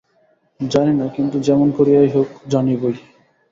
জানি না, কিন্তু যেমন করিয়া হউক, জানিবই।